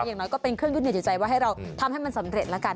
อย่างน้อยก็เป็นเครื่องยึดเหนียวจิตใจว่าให้เราทำให้มันสำเร็จแล้วกัน